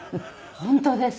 本当ですよ。